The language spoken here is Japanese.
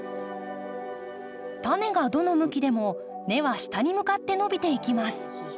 タネがどの向きでも根は下に向かって伸びていきます。